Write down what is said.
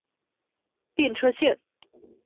电车线。